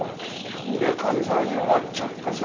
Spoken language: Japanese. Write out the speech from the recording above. でかみさん弱っちゃってさ。